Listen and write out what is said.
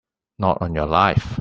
Not on your life!